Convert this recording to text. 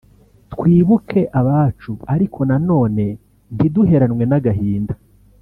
twibuke abacu ariko na none ntiduheranwe n’agahinda”